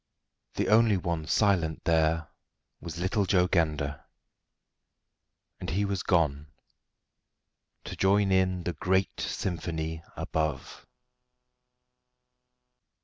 The only one silent there was little Joe Gander and he was gone to join in the great symphony above.